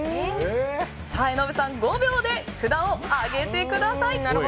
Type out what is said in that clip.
江上さん５秒で札を上げてください。